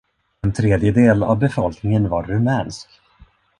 En tredjedel av befolkningen var rumänsk.